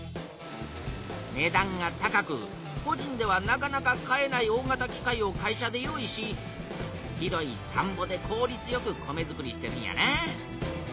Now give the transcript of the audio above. ねだんが高くこじんではなかなか買えない大型機械を会社で用意し広いたんぼでこうりつよく米づくりしてるんやな。